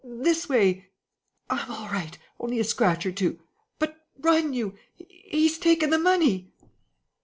This way!... I'm all right ... only a scratch or two.... But run, you! He's taken the money."